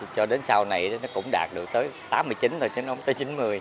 cho đến sau này nó cũng đạt được tới tám mươi chín thôi chứ nó tới chín mươi